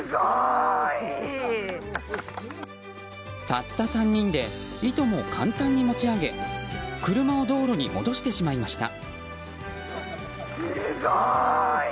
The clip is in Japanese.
たった３人でいとも簡単に持ち上げ車を道路に戻してしまいました。